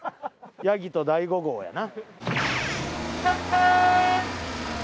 ヤギと大悟号やな。